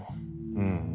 うん。